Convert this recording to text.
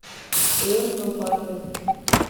ellos no parten